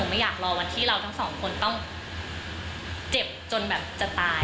ไม่อยากรอวันที่เราทั้งสองคนต้องเจ็บจนแบบจะตาย